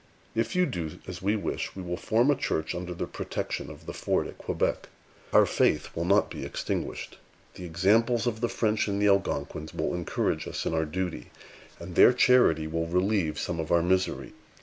If you do as we wish, we will form a church under the protection of the fort at Quebec. Our faith will not be extinguished. The examples of the French and the Algonquins will encourage us in our duty, and their charity will relieve some of our misery.